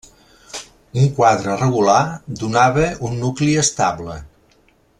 Un quadre regular donava un nucli estable.